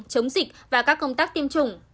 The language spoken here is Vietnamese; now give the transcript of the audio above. chống dịch và các công tác tiêm chủng